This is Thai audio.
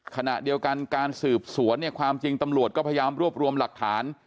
ขณะเดียวกันการสืบสวนเนี่ยความจริงตำรวจก็พยายามรวบรวมหลักฐาน